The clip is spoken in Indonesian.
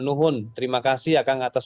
nuhun terima kasih ya kang atas